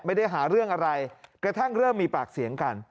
ไม่ได้หาเรื่องอะไรกระทั่งเริ่มมีปากเสียงกัน